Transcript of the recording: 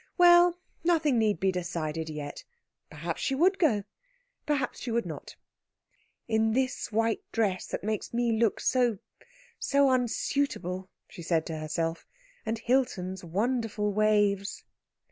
Well, nothing need be decided yet. Perhaps she would go perhaps she would not. "It's this white dress that makes me look so so unsuitable," she said to herself, "and Hilton's wonderful waves."